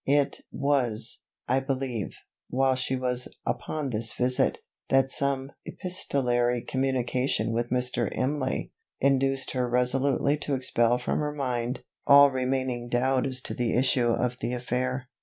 It was, I believe, while she was upon this visit, that some epistolary communication with Mr. Imlay, induced her resolutely to expel from her mind, all remaining doubt as to the issue of the affair.